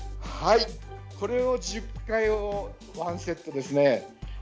これを１０回をワンセットですね。